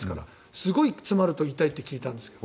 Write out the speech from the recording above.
すごい詰まると痛いって聞いたんですけど。